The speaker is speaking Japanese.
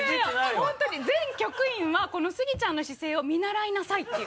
本当に全局員はこのスギちゃんの姿勢を見習いなさいっていう。